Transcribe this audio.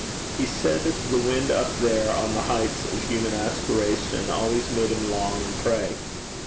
He said the wind up there on the heights of human aspiration always made him long and pray.